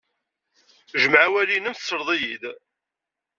Jmeɛ asawal-nnem, tesled-iyi-d!